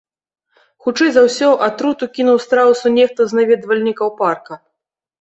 Хутчэй за ўсё, атруту кінуў страусу нехта з наведвальнікаў парка.